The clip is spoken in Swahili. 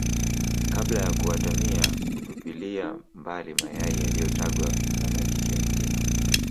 kabla ya kuatamia hutupilia mbali mayai yaliyotagwa na majike wengine